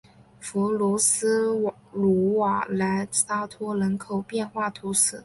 弗雷斯努瓦莱沙托人口变化图示